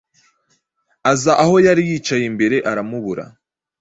Aza aho yari yicaye mbere aramubura